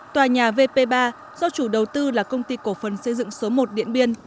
tòa nhà vp ba do chủ đầu tư là công ty cổ phần xây dựng số một điện biên